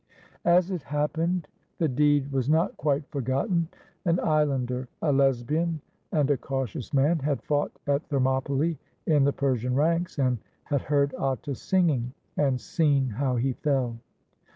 As it happened, the deed was not quite forgotten. An islander, a Lesbian and a cautious man, had fought at Thermopylae in the Persian ranks, and had heard Atta's singing and seen how he fell.